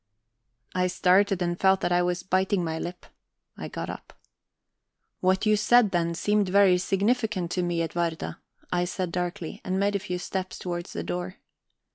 I started, and felt that I was biting my lip. I got up. "What you said then seemed very significant to me, Edwarda," I said darkly, and made a few steps towards the door.